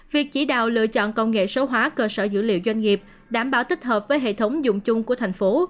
việc chỉ đạo lựa chọn công nghệ số hóa cơ sở dữ liệu doanh nghiệp đảm bảo tích hợp với hệ thống dùng chung của thành phố